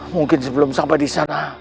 mungkin sebelum sampai disana